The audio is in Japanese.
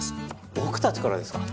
僕たちからですか？